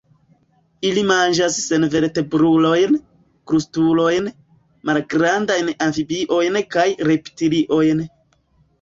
Ili manĝas senvertebrulojn, krustulojn, malgrandajn amfibiojn kaj reptiliojn.